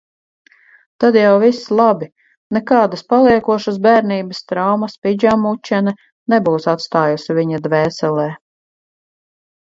Tad jau viss labi, nekādas paliekošas bērnības traumas pidžamučene nebūs atstājusi viņa dvēselē.